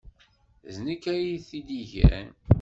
D nekk ay t-id-igan.